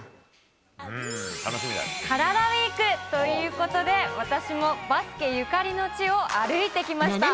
カラダＷＥＥＫということで、私もバスケゆかりの地を歩いてきました。